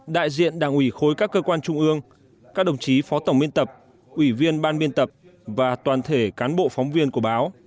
đại diện đảng ủy khối các cơ quan trung ương các đồng chí phó tổng biên tập ủy viên ban biên tập và toàn thể cán bộ phóng viên của báo